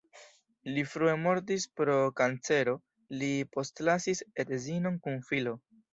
Li frue mortis pro kancero, li postlasis edzinon kun filo.